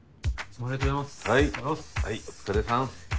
ありがとうございます